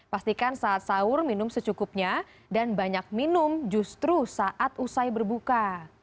pastikan saat sahur minum secukupnya dan banyak minum justru saat usai berbuka